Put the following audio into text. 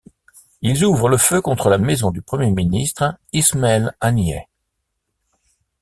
Ils ouvrent le feu contre la maison du Premier ministre Ismaël Haniyeh.